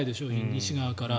西側から。